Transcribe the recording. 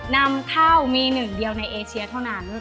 นำเท่ามีหนึ่งเดียวในเอเชียเท่านั้น